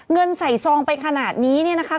เงินใส่ซองไปขนาดนี้เนี่ยนะคะ